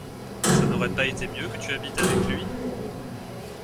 Ça n’aurait pas été mieux que tu habites avec lui ?